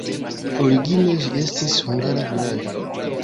Origine ĝi estis hungara vilaĝo.